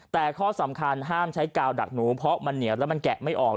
แต่ข้อสำคัญห้ามใช้กาวดักหนูเพราะมันเหนียวแล้วมันแกะไม่ออก